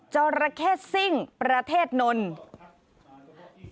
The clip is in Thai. จราเข้ซิ่งประเทศนนท์